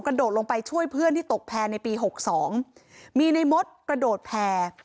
โดดลงไปช่วยเพื่อนที่ตกแพร่ในปีหกสองมีในมดกระโดดแพร่